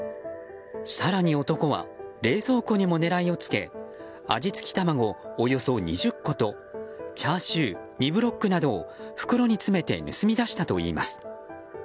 更に、男は冷蔵庫にも狙いをつけ味付き卵およそ２０個とチャーシュー２ブロックなどを袋に詰めて盗み出したといいます。